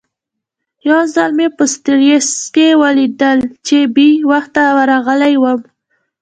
یو ځل مې په سټریسا کې ولید کله چې بې وخته ورغلی وم.